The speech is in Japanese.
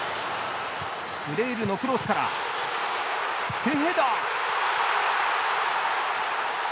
フレールのクロスからテヘダ。